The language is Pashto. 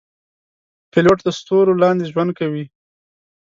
پیلوټ د ستورو لاندې ژوند کوي.